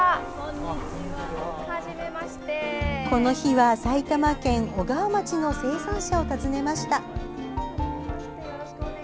この日は、埼玉県小川町の生産者を訪ねました。